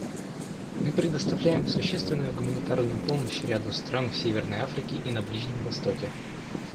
Мы предоставляем существенную гуманитарную помощь ряду стран в Северной Африке и на Ближнем Востоке.